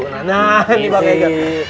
nah ini bang egan